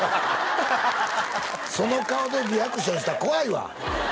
その顔でリアクションしたら怖いわ！